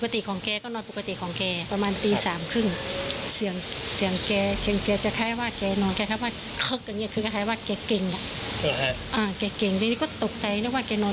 โทรแกก็อีกครั้งที่สองฮือรู้อาการแล้วกันไม่ตื่น